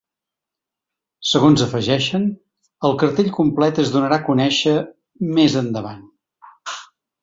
Segons afegeixen, el cartell complet es donarà a conèixer “més endavant”.